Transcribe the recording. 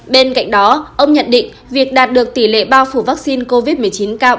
bên cạnh đó ông nhận định việc đạt được tỷ lệ bao phủ vaccine covid một mươi chín cao